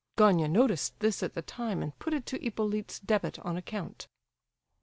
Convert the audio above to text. Gania noticed this at the time, and put it to Hippolyte's debit on account.